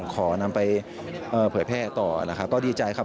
ขอนำไปเผยแพร่ต่อนะครับก็ดีใจครับ